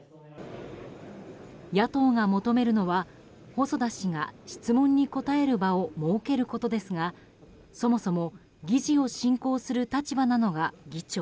野党が求めるのは細田氏が質問に答える場を設けることですがそもそも、議事を進行する立場なのが議長。